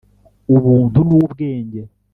ubuntu n'ubwenge,